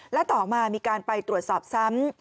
และต่อมามีการไปตรวจสอบซ้ำ